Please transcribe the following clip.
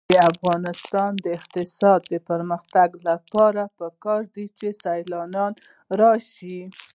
د افغانستان د اقتصادي پرمختګ لپاره پکار ده چې سیلانیان راشي.